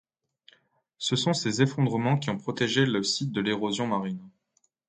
Ce sont ces effondrements qui ont protégé le site de l'érosion marine.